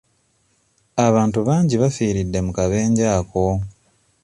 Abantu bangi bafiiridde mu kabenje ako.